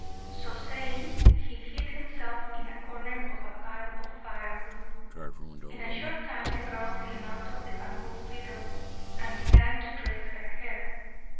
So saying, he hid himself in a corner in a pile of firewood. In a short time the girl came out of the bamboo fiddle, and began to dress her hair.